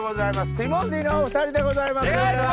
ティモンディのお２人でございます。